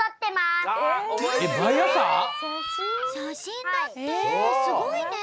すごいね。